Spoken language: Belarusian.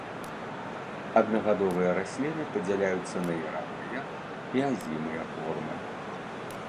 Аднагадовыя расліны падзяляюцца на яравыя і азімыя формы.